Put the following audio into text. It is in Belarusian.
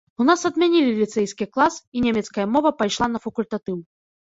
У нас адмянілі ліцэйскі клас, і нямецкая мова пайшла на факультатыў.